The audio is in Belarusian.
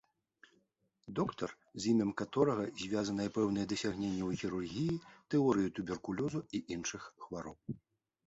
Доктар, з імем якога звязаныя пэўныя дасягненні ў хірургіі, тэорыі туберкулёзу і іншых хвароб.